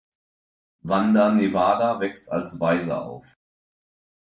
Wanda Nevada wächst als Waise auf.